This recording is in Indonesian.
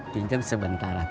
pinjam sebentar atu